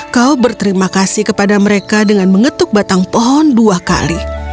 kau berterima kasih kepada mereka dengan mengetuk batang pohon dua kali